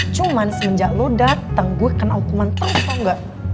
cuman semenjak lo dateng gue kena hukuman terus tau gak